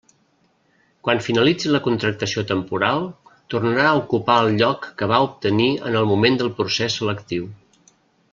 Quan finalitzi la contractació temporal, tornarà a ocupar el lloc que va obtenir en el moment del procés selectiu.